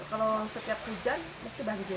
kalau setiap hujan pasti banjir